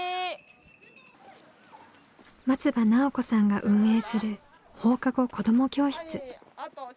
松場奈緒子さんが運営する放課後子ども教室。